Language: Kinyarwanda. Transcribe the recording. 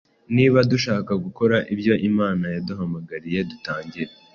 Niba dushaka gukora ibyo Imana yaduhamagariye dutangire,